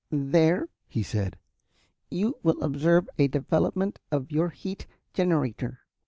"There," he said, "you will observe a development of your heat generator."